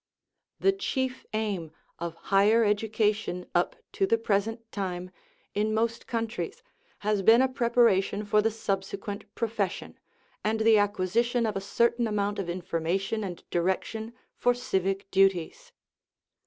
The chief aim of higher education up to the present time, in most countries, has oeen a preparation for the subsequent profession, and the acquisition of a certain amount of information and direction for civic duties.